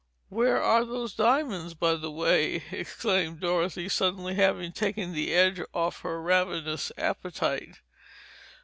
"Where are those diamonds, by the way?" exclaimed Dorothy suddenly, having taken the edge off her ravenous appetite.